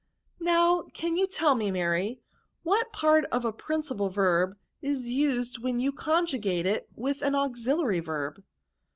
" Now, can you tell me. Maty, what part of a principal verb is used when you <;on« jugate it with an auxiUary verb